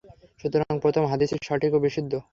সুতরাং প্রথম হাদীসই সঠিক ও বিশুদ্ধ।